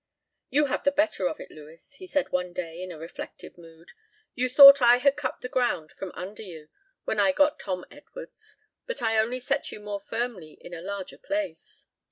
"You have the better of it, Lewis," he said one day in a reflective mood; "you thought I had cut the ground from under you when I got Tom Edwards, but I only set you more firmly in a larger place."